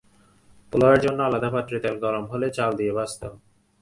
পোলাওয়ের জন্য আলাদা পাত্রে তেল গরম হলে চাল দিয়ে ভাঁজতে হবে।